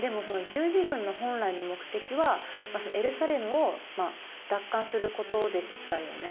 でもその十字軍の本来の目的はエルサレムを奪還することでしたよね。